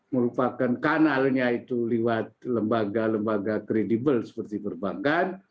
merupakan kanalnya itu lewat lembaga lembaga kredibel seperti perbankan